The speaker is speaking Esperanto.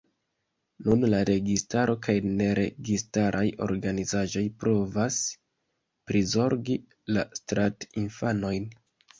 Nun la registaro kaj neregistaraj organizaĵoj provas prizorgi la strat-infanojn.